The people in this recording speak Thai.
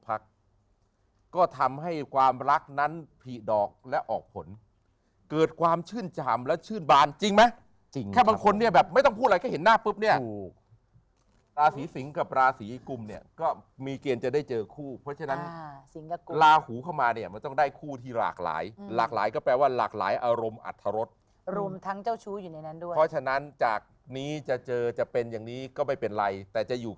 พฤษฐพิจิกพฤษฐพิจิกพฤษฐพิจิกพฤษฐพิจิกพฤษฐพิจิกพฤษฐพิจิกพฤษฐพิจิกพฤษฐพิจิกพฤษฐพิจิกพฤษฐพิจิกพฤษฐพิจิกพฤษฐพิจิกพฤษฐพิจิกพฤษฐพิจิกพฤษฐพิจิกพฤษฐพิจิกพฤษฐพิจิก